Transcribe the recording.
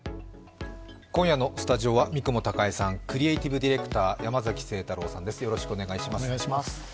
今夜のスタジオは、三雲孝江さん、クリエイティブディレクター山崎晴太郎さんです。